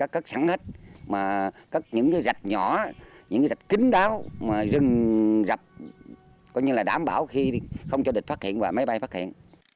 cắt sẵn hết cắt những rạch nhỏ những rạch kính đáo rừng rập đảm bảo không cho địch phát hiện và máy bay phát hiện